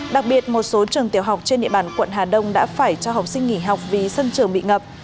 đặc biệt một số trường tiểu học trên địa bàn quận hà đông đã phải cho học sinh nghỉ học vì sân trường bị ngập